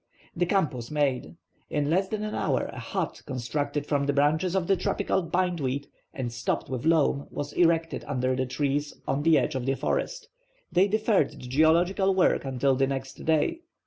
The camp was made. In less than an hour a hut, constructed from the branches of the tropical bindweed, and stopped with loam, was erected under the trees on the edge of the forest. They deferred the geological work until the next day.